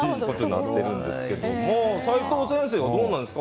齋藤先生はどうなんですか？